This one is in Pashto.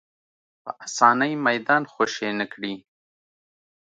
په اسانۍ میدان خوشې نه کړي